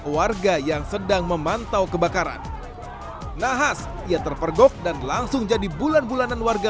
warga yang sedang memantau kebakaran nahas ia terpergok dan langsung jadi bulan bulanan warga